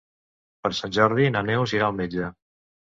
Per Sant Jordi na Neus irà al metge.